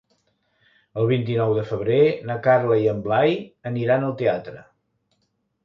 El vint-i-nou de febrer na Carla i en Blai aniran al teatre.